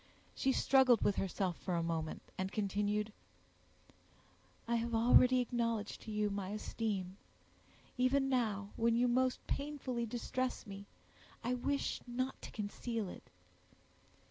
She struggled with herself for a moment, and continued, "I have already acknowledged to you my esteem; even now, when you most painfully distress me, I wish not to conceal it.